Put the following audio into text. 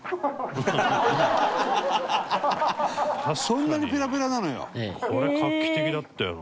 そんなにペラペラなのよ。